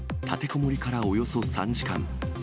立てこもりからおよそ３時間。